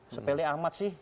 sepele amat sih